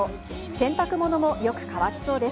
洗濯物もよく乾きそうです。